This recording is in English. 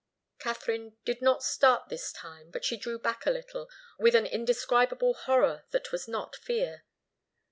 Katharine did not start this time, but she drew back a little, with an indescribable horror that was not fear.